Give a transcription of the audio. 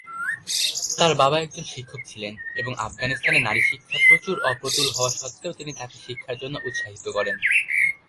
তার বাবা একজন শিক্ষক ছিলেন এবং আফগানিস্তানে নারী শিক্ষা প্রচুর অপ্রতুল হওয়া সত্ত্বেও তিনি তাকে শিক্ষার জন্য উৎসাহিত করেন।